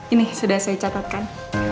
ini sudah saya catatkan